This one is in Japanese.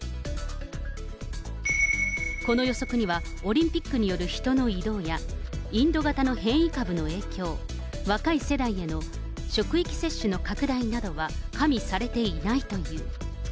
この予測にはオリンピックによる人の移動や、インド型の変異株の影響、若い世代への職域接種の拡大などは加味されていないという。